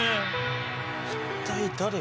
一体誰が？